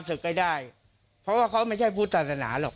สืบไกลได้เพราะว่าเขาไม่ใช่พุทธศนาหรอก